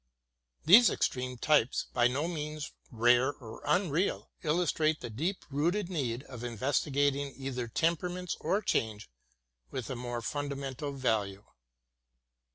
These extreme types, by no means rare or unreal, illustrate the deep rooted need of investing either permanence or change with a more fundamental value.